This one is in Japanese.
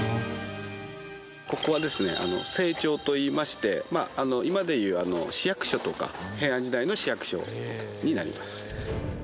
ここはですね政庁といいまして今でいう市役所とか平安時代の市役所になります。